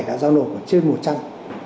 đã giao nộp trên một trăm năm mươi